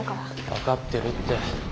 分かってるって。